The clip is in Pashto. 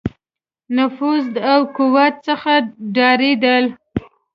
نفوذ او قوت څخه ډارېدل.